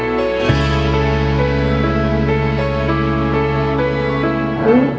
ดีจริง